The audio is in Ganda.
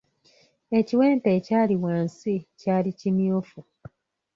Ekiwempe ekyali wansi, kyali kimyufu.